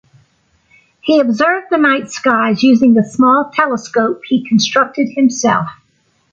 He observed the night sky using a small telescope he constructed himself.